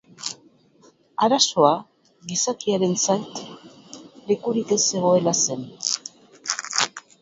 Arazoa, gizakiarentzat lekurik ez zegoela zen.